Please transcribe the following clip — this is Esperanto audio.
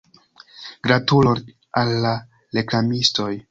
Gratulon al la reklamistoj.